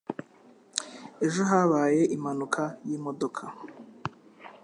Ejo habaye impanuka yimodoka.